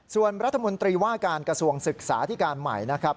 ส่วนรัฐมนตรีว่าการกระทรวงศึกษาที่การใหม่นะครับ